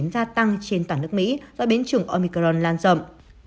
gia tăng trên toàn nước mỹ do biến chủng omicron lan rộng